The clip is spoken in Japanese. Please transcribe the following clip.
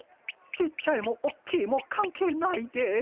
ちっちゃいもおっきいも関係ないです。